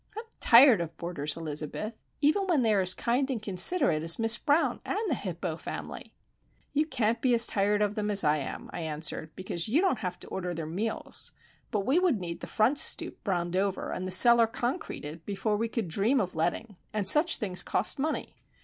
I'm tired of boarders, Elizabeth;—even when they are as kind and considerate as Miss Brown and the Hippo family!" "You can't be as tired of them as I am," I answered,—"because you don't have to order their meals! But we would need the front stoop browned over, and the cellar concreted, before we could dream of letting; and such things cost money.